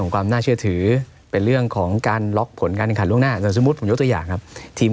คือพังทั้งหลีกถูกไหม